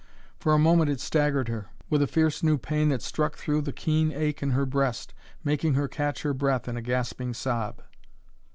For a moment it staggered her, with a fierce new pain that struck through the keen ache in her breast, making her catch her breath in a gasping sob.